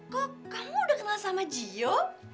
kok kamu udah kenal sama jio